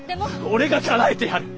俺がかなえてやる！